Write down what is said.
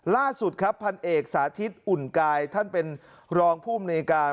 ล่าสุดครับพันเอกสาธิตอุ่นกายท่านเป็นรองภูมิในการ